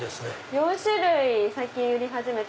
４種類最近売り始めて。